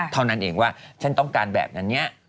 เท่านั้นเองว่าฉันต้องการแบบนี้